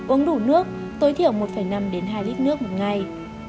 uống đủ nước tối thiểu một năm đến hai lít nước một ngày